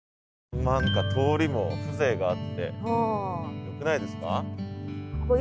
何か通りも風情があってよくないですか？